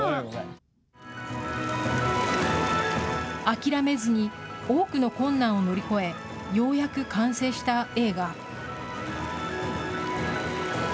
諦めずに多くの困難を乗り越えようやく完成した映画。